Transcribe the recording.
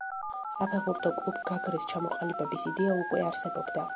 საფეხბურთო კლუბ გაგრის ჩამოყალიბების იდეა უკვე არსებობდა.